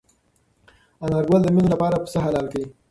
انارګل د مېنې لپاره پسه حلال کړ.